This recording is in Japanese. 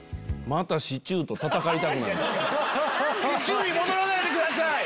シチューに戻らないでください！